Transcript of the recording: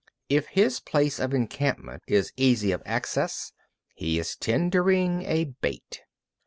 20. If his place of encampment is easy of access, he is tendering a bait.